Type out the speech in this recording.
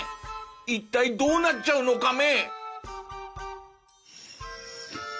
一体どうなっちゃうのカメ？